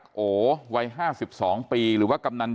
ก็คุณตามมาอยู่กรงกีฬาดครับ